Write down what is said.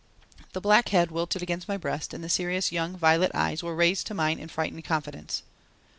The black head wilted against my breast and the serious young violet eyes were raised to mine in frightened confidence.